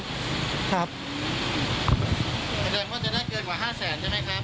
ไข้ครับแสดงว่าจะได้เกินกว่าห้าแสงใช่ไหมครับ